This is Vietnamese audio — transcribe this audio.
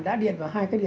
tại hà nội